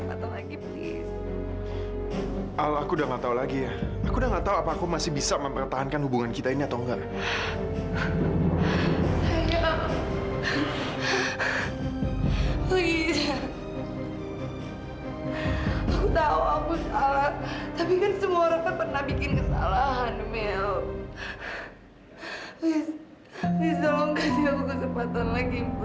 please tolong kasih aku kesempatan lagi please mil